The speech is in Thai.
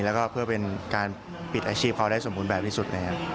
แล้วก็เพื่อเป็นการปิดอาชีพเขาได้สมบูรณ์แบบที่สุดเลยครับ